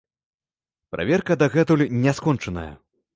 Праверка дагэтуль не скончаная.